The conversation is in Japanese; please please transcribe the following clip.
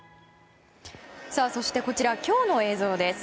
そして、こちら今日の映像です。